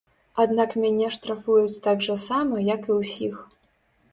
Аднак мяне штрафуюць так жа сама, як і ўсіх.